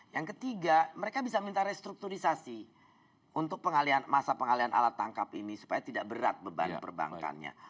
yang ketiga mereka bisa minta restrukturisasi untuk pengalian masa pengalian alat tangkap ini supaya tidak berat beban perbankannya